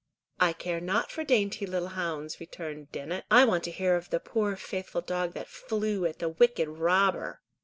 "I care not for dainty little hounds," returned Dennet; "I want to hear of the poor faithful dog that flew at the wicked robber."